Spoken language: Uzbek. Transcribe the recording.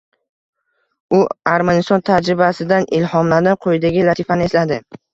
U Armaniston tajribasidan ilhomlanib, quyidagi latifani esladi: “